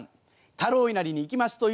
太郎稲荷に行きますというと。